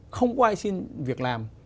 không có ai xin việc làm